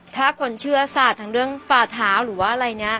ถ้าคนเชื่อศาสตร์ทั้งเรื่องฝ่าเท้าหรือว่าอะไรเนี่ย